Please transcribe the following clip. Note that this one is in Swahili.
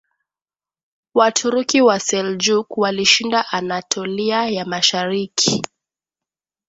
Waturuki wa Seljuk walishinda Anatolia ya Mashariki